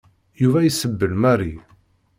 Yuba isebbel Mary.